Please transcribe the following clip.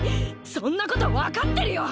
そんなことわかってるよ！